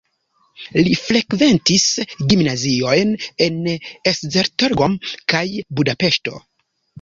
Li frekventis gimnaziojn en Esztergom kaj Budapeŝto.